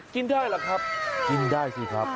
กินได้หรือครับกินได้สิครับ